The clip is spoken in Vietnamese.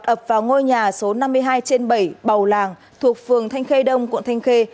ập vào ngôi nhà số năm mươi hai trên bảy bầu làng thuộc phường thanh khê đông quận thanh khê